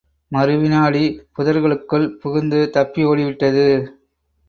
மறு விநாடி புதர்களுக்குள் புகுந்து தப்பி ஓடிவிட்டது!